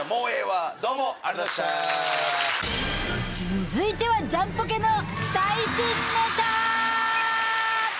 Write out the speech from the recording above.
続いてはジャンポケの最新ネタ！